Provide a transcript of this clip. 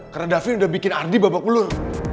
karena dabin udah bikin ardi babak ulur